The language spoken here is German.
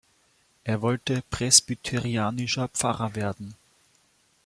Er wollte presbyterianischer Pfarrer werden.